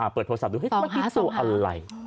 เปิดโทรศัพท์ดูเห้ยนั่งมันตัวอะไร